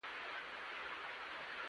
پوهنتون کې مختلف پوهنځي شتون لري.